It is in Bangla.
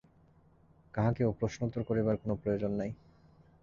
কাহাকেও প্রশ্নোত্তর করিবার কোনো প্রয়োজন নাই।